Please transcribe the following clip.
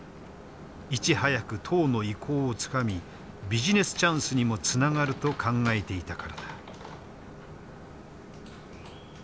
いち早く党の意向をつかみビジネスチャンスにもつながると考えていたからだ。